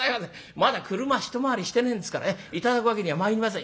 まだ俥一回りしてねえんですから頂くわけにはまいりません」。